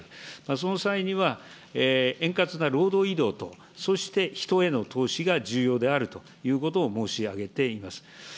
その際には、円滑な労働移動と、そして人への投資が重要であるということを申し上げています。